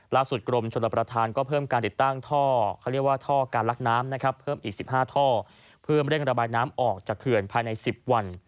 ล่าสุดกรมชนประทานก็เพิ่มการติดตั้งท่อการลักน้ำเพิ่มอีก๑๕ท่อเพิ่มเร่งระบายน้ำออกจากเขื่อนภายใน๑๐วัน